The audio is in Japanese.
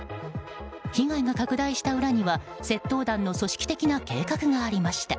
被害が拡大した裏には窃盗団の組織的な計画がありました。